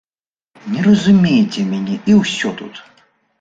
Не разумееце мяне, і ўсё тут.